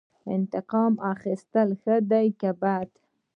انتقام اخیستل ښه دي که بد؟